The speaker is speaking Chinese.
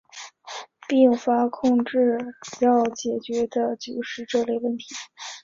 并发控制要解决的就是这类问题。